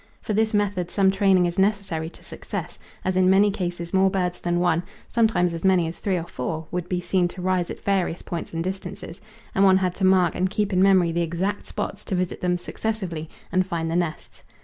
For this method some training is necessary to success, as in many cases more birds than one sometimes as many as three or four would be seen to rise at various points and distances, and one had to mark and keep in memory the exact spots to visit them successively and find the nests.